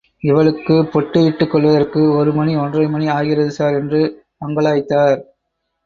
இவளுக்கு பொட்டு இட்டுக் கொள்வதற்கு ஒரு மணி ஒன்றரை மணி ஆகிறது சார் என்று அங்கலாய்த்தார்.